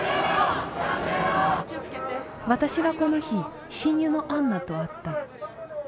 私はこの日親友のアンナと会った。